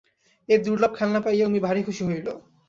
এই দুর্লভ খেলনা পাইয়া উমি ভারি খুশি হইল।